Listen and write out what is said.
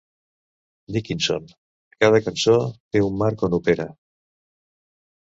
Dickinson: Cada cançó té un marc on opera.